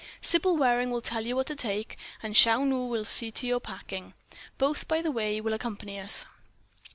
"Sybil Waring will tell you what to take, and Chou Nu will see to your packing. Both, by the way, will accompany us.